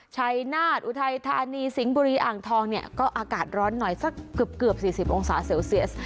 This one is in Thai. ชัยนาฏอุทัยธานีสิงห์บุรีอ่างทองเนี่ยก็อากาศร้อนหน่อยสักเกือบ๔๐องศาเซลเซียส